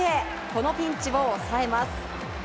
このピンチを抑えます。